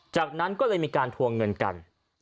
จากนั้นก็เลยมีการทวงเงินกัน